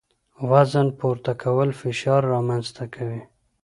وزن پورته کول فشار رامنځ ته کوي.